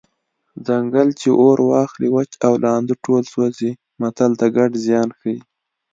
ځنګل چې اور واخلي وچ او لانده ټول سوځي متل د ګډ زیان ښيي